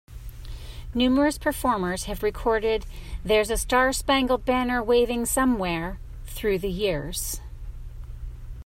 Numerous performers have recorded "There's a Star-Spangled Banner Waving Somewhere" through the years.